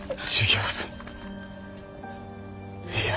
いや。